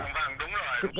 vâng đúng rồi